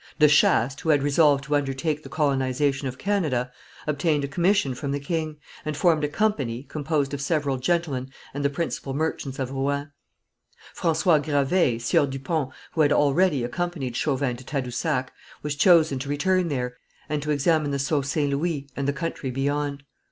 De Chastes, who had resolved to undertake the colonization of Canada, obtained a commission from the king, and formed a company, composed of several gentlemen and the principal merchants of Rouen. François Gravé, Sieur du Pont, who had already accompanied Chauvin to Tadousac, was chosen to return there and to examine the Sault St. Louis and the country beyond.